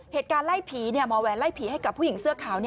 เหตุการณ์ไล่ผีหมอแหวนไล่ผีให้กับผู้หญิงเสื้อขาว